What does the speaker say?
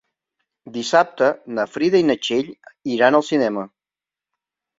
Dissabte na Frida i na Txell iran al cinema.